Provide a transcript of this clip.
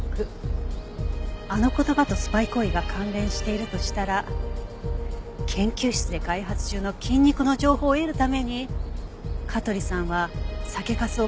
あの言葉とスパイ行為が関連しているとしたら研究室で開発中の菌肉の情報を得るために香取さんは酒粕を持ち出しただけではなく。